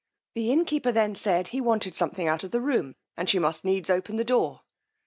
The innkeeper then said he wanted something out of the room, and she must needs open the door.